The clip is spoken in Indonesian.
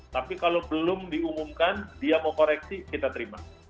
tapi kalau belum diumumkan dia mau koreksi kita terima